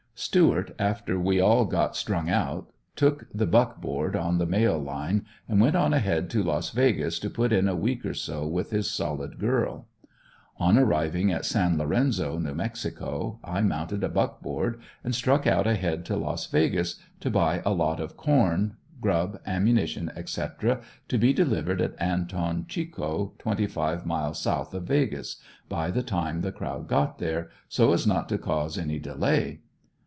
Stuart, after we all got strung out, took the "buck board" on the mail line, and went on ahead to Las Vegas to put in a week or so with his solid girl. On arriving at San Lorenzo, New Mexico, I mounted a buck board and struck out ahead, to Las Vegas, to buy a lot of corn, grub, ammunition, etc., to be delivered at Anton Chico, twenty five miles south of "Vegas," by the time the crowd got there, so as not to cause any delay.